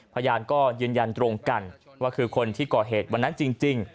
พยานก็ยืนยันตรงกันว่าคือคนที่ก่อเหตุวันนั้นจริง